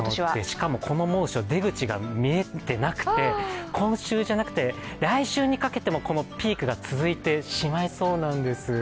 しかも、この猛暑出口が見えてなくて来週にかけてもこのピークが続いてしまいそうなんです。